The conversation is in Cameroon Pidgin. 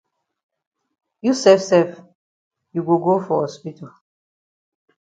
You sef sef you go go for hospital.